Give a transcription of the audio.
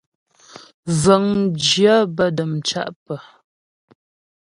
Vəŋ mjyə̂ bə́ dəmcá pə́.